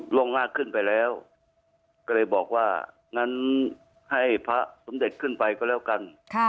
่งมากขึ้นไปแล้วก็เลยบอกว่างั้นให้พระสมเด็จขึ้นไปก็แล้วกัน